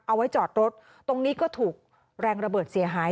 เอาไว้จอดรถตรงนี้ก็ถูกแรงระเบิดเสียหาย